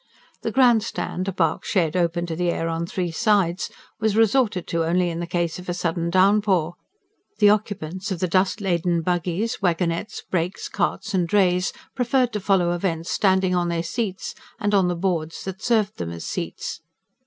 The Grand Stand, a bark shed open to the air on three sides, was resorted to only in the case of a sudden downpour; the occupants of the dust laden buggies, wagonettes, brakes, carts and drays preferred to follow events standing on their seats, and on the boards that served them as seats.